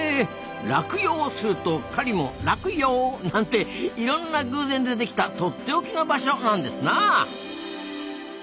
落葉すると狩りも「楽よう」なんていろんな偶然でできたとっておきの場所なんですなあ。